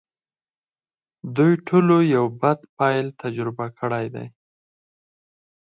دوی ټولو یو بد پیل تجربه کړی دی